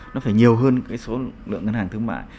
nó phải nhiều hơn cái số lượng ngân hàng thương mại